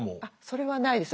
それはないです。